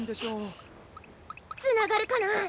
つながるかな？